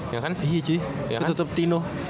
iya cuy ketutup tino